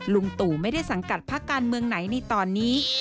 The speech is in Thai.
ลุงตู่ไม่ได้สังกัดพักการเมืองไหนในตอนนี้